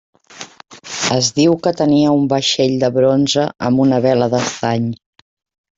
Es diu que tenia un vaixell de bronze amb una vela d'estany.